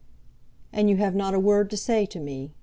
"And you have not a word to say to me?"